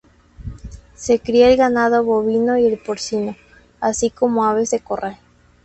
Se cría el ganado bovino y el porcino, así como aves de corral.